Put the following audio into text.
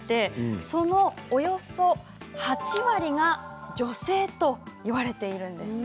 そのおよそ８割が女性だといわれているんです。